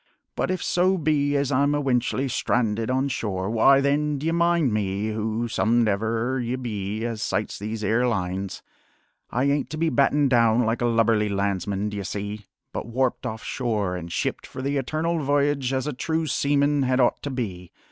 But if so be as I'm ewentually stranded on shore, why then, d'ye mind me, who somedever ye be as sights these 'ere lines, I ain't to be battened down like a lubberly landsman, d'ye see, but warped off shore an' shipped for the Eternal V'yage as a true seaman had ought to be.